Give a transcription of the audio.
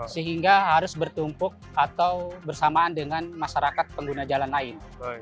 sehingga harus bertumpuk atau bersamaan dengan masyarakat pengguna jalan lain